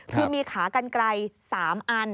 คือมีขากันไกล๓อัน